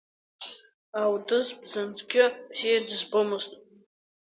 Алдыз бзанҵгьы бзиа дызбомызт.